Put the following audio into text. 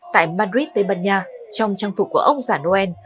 tại madrid tây ban nha trong trang phục của ông giả noel